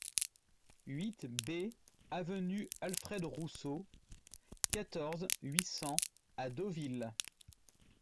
huit B avenue Alfred Rousseau, quatorze, huit cents à Deauville